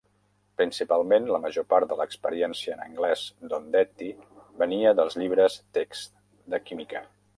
Principalment, la major part de l'experiència en anglès d'Ondetti venia dels llibres text de química.